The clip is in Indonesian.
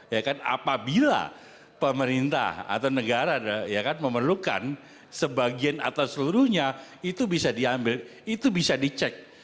ya kan apabila pemerintah atau negara ya kan memerlukan sebagian atau seluruhnya itu bisa diambil itu bisa dicek